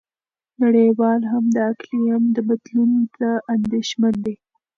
نړیوال هم د اقلیم بدلون ته اندېښمن دي.